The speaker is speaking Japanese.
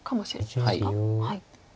はい。